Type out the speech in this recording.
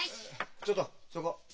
ちょっとそこ。